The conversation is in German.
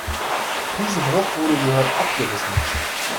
Diese Bruchbude gehört abgerissen.